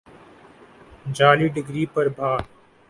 جعلی ڈگری پر بھا